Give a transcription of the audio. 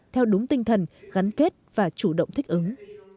theo đúng tinh thần gắn kết và chủ động thích ứng